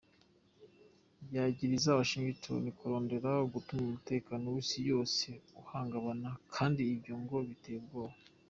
Yagiriza Washington kurondera gutuma umutekano w'isi yose uhungabana, kandi ivyo ngo "biteye ubwoba".